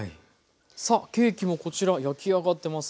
さあケーキもこちら焼き上がってますよ。